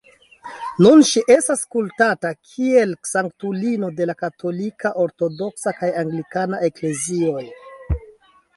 Nun ŝi estas kultata kiel sanktulino de la Katolika, Ortodoksa kaj Anglikana Eklezioj.